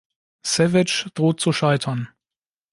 Savage droht zu scheitern.